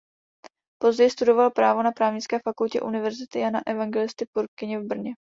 Později studoval právo na právnické fakultě Univerzity Jana Evangelisty Purkyně v Brně.